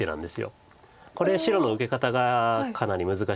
これ白の受け方がかなり難しいですよね。